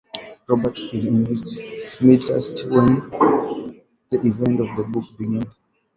Robert is in his mid-thirties when the events of the books begin.